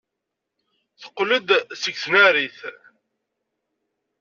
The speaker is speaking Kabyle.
Teqqel-d seg tnarit.